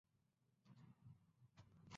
现为奥克兰运动家的后援投手。